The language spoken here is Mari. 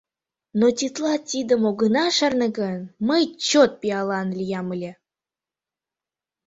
Но тетла тидым огына шарне гын, мый чот пиалан лиям ыле!